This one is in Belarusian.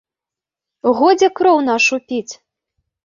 Годзе кроў нашу піць!